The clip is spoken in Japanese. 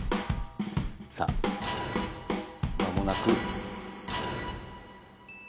さあ間もなく。